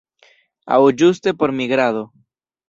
Aŭ ĝuste por migrado.